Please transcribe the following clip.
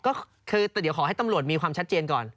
ก็คือแต่เดี๋ยวขอให้ตำรวจมีความชัดเจนก่อน